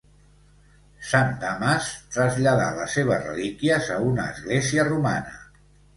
Sant Damas traslladà les seves relíquies a una església romana.